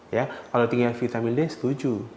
ya kalau tinggi yang vitamin d setuju